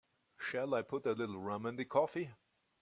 Shall I put a little rum in the coffee?